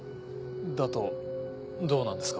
だとどうなんですか？